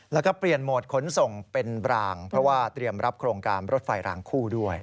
แล้วก็เปลี่ยนโหมดขนส่งเป็นบรางเพราะว่าเตรียมรับโครงการรถไฟรางคู่ด้วย